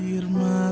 jangan lupa ya